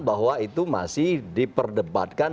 bahwa itu masih diperdebatkan